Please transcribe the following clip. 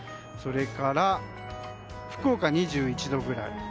それから福岡、２１度くらい。